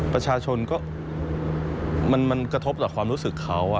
ประชาชนก็มันกระทบต่อความรู้สึกเขา